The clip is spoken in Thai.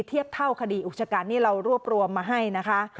เทียบเท่าคดีอุกชกันนี่เรารวบรวมมาให้นะคะ